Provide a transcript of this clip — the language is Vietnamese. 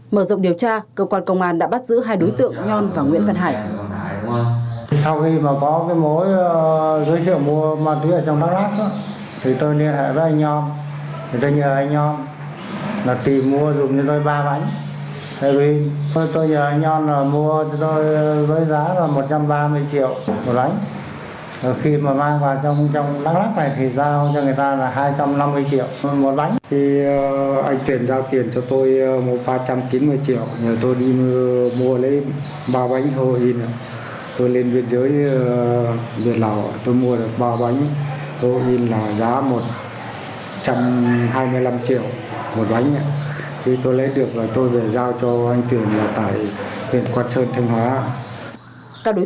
mở rộng điều tra cơ quan công an đã bắt giữ hai đối tượng nhon và nguyễn văn hải